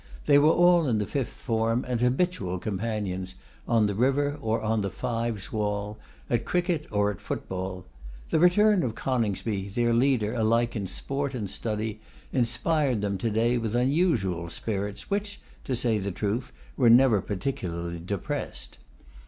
They were all in the fifth form, and habitual companions, on the river or on the Fives' Wall, at cricket or at foot ball. The return of Coningsby, their leader alike in sport and study, inspired them to day with unusual spirits, which, to say the truth, were never particularly depressed.